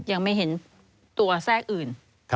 ยังไม่เห็นตัวแทรกอื่น